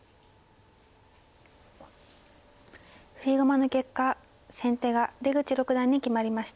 振り駒の結果先手が出口六段に決まりました。